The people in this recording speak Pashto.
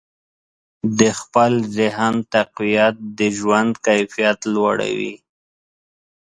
د خپل ذهن تقویت د ژوند کیفیت لوړوي.